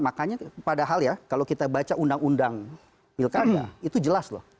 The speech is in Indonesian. makanya padahal ya kalau kita baca undang undang pilkada itu jelas loh